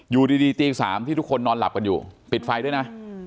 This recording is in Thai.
อยู่ดีตี๓ที่ทุกคนนอนหลับกันอยู่ปิดไฟด้วยนะ